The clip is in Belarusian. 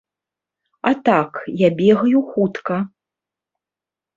А так, я бегаю хутка.